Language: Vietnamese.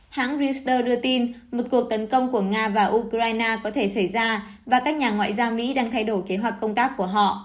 hãng reuters đưa tin một cuộc tấn công của nga và ukraine có thể xảy ra và các nhà ngoại giao mỹ đang thay đổi kế hoạch công tác của họ